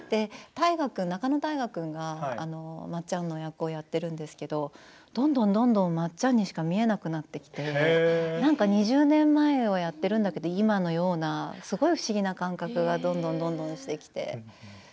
仲野太賀君がまっちゃんの役をやっているんですけれどどんどんどんどんまっちゃんにしか見えなくなってきてなんか２０年前をやっているんだけど、今のようなすごい不思議な感覚がどんどんしてきて。